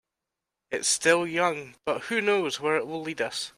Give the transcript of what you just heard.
It's still young, but who knows where it will lead us.